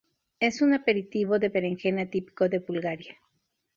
Es un aperitivo de berenjena típico de Bulgaria.